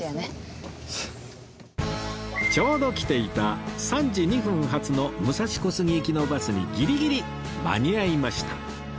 ちょうど来ていた３時２分発の武蔵小杉行きのバスにギリギリ間に合いました